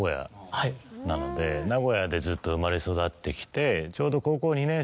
名古屋でずっと生まれ育ってきてちょうど。